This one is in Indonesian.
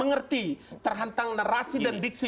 mengerti terhantang narasi dan diksi